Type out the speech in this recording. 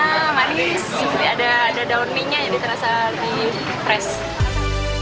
ada daun manis ada daun mintnya yang terasa di press